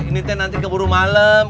ini teh nanti keburu malam